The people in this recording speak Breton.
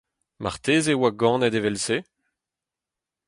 Marteze 'oa ganet evel-se ?